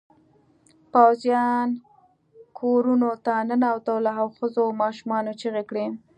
پوځيان کورونو ته ننوتل او ښځو ماشومانو چیغې کړې.